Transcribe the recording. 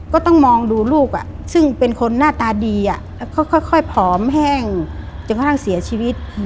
ก็ต้องมองดูลูกซึ่งเป็นคนหน้าตาดีแล้วค่อยผอมแห้งจนกระทั่งเสียชีวิต